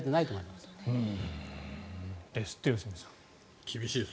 ですって良純さん。